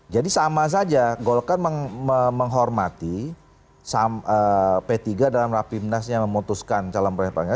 jadi sama saja golkar menghormati p tiga dalam rafi pindasnya memutuskan calon presidennya